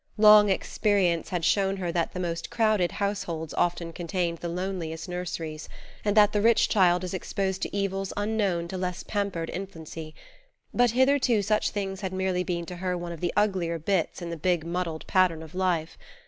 Long experience had shown her that the most crowded households often contain the loneliest nurseries, and that the rich child is exposed to evils unknown to less pampered infancy; but hitherto such things had merely been to her one of the uglier bits in the big muddled pattern of life.